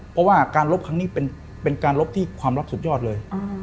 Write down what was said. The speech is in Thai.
เพราะว่าการลบครั้งนี้เป็นการลบที่ความลับสุดยอดเลย